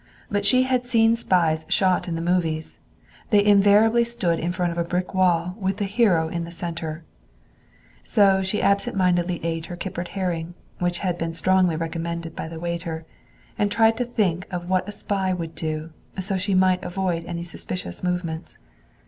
But she had seen spies shot in the movies. They invariably stood in front of a brick wall, with the hero in the center. So she absent mindedly ate her kippered herring, which had been strongly recommended by the waiter, and tried to think of what a spy would do, so she might avoid any suspicious movements.